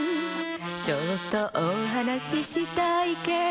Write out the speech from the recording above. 「ちょっとおはなししたいけど」